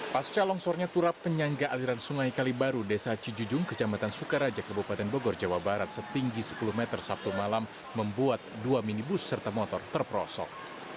pasca longsornya turap penyangga aliran sungai kalibaru desa cijujung kecamatan sukaraja kebupaten bogor jawa barat setinggi sepuluh meter sabtu malam membuat dua minibus serta motor terperosok